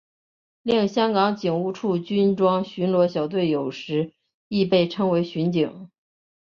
另香港警务处军装巡逻小队有时亦被称为巡警。